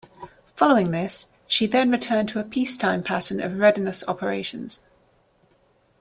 Following this, she then returned to a peacetime pattern of readiness operations.